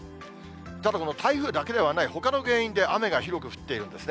ただこの台風だけではないほかの原因で雨が広く降っているんですね。